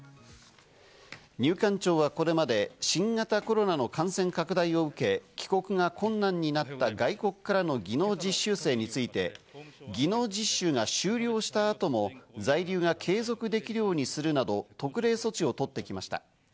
入管庁はこれまで新型コロナの感染拡大を受け、帰国が困難になった外国からの技能実習生について、技能実習が終了した後も在留が継続できるようにするなど、特例措置を取ってきました。